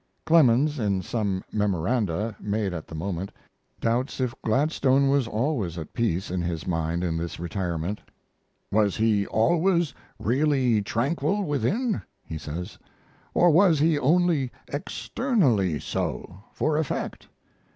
Clemens, in some memoranda made at the moment, doubts if Gladstone was always at peace in his mind in this retirement. "Was he always really tranquil within," he says, "or was he only externally so for effect?